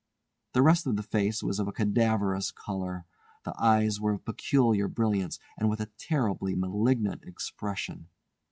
The rest of the face was of a cadaverous colour. The eyes were of peculiar brilliance and with a terribly malignant expression.